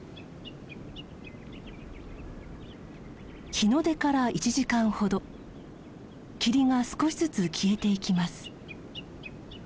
日の出から１時間ほど霧が少しずつ消えていきます。